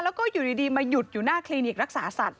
แล้วก็อยู่ดีมาหยุดอยู่หน้าคลินิกรักษาสัตว